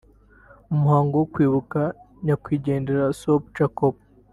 mu muhango wo kwibuka nyakwigendera Sobchak